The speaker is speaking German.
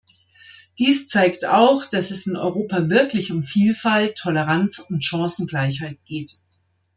Dies zeigt auch, dass es in Europa wirklich um Vielfalt, Toleranz und Chancengleichheit geht.